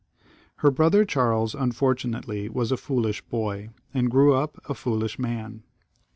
Her brother Charles, unfortunately, was a foolish boy, and grew up a foolish man.